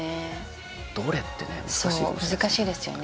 どれってね難しいですよね